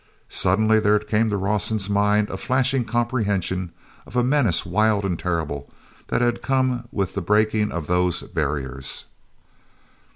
Suddenly there came to Rawson's mind a flashing comprehension of a menace wild and terrible that had come with the breaking of those barriers.